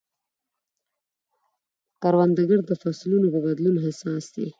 کروندګر د فصلونو په بدلون حساس دی